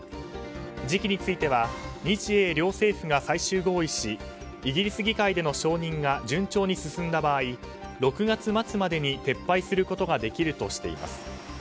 時期については日英両政府が最終合意しイギリス議会での承認が順調に進んだ場合６月末までに撤廃することができるとしています。